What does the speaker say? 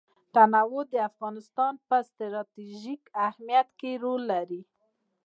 تنوع د افغانستان په ستراتیژیک اهمیت کې رول لري.